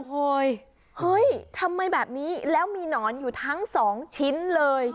เฮ้ยเฮ้ยทำไมแบบนี้แล้วมีหนอนอยู่ทั้งสองชิ้นเลย